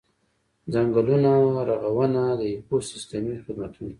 ځنګلونو رغونه د ایکوسیستمي خدمتونو.